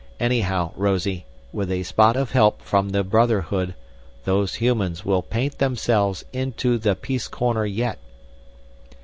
Anyhow, Rosie, with a spot of help from the Brotherhood, those humans will paint themselves into the peace corner yet."